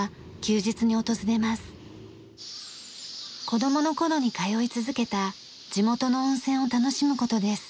子供の頃に通い続けた地元の温泉を楽しむ事です。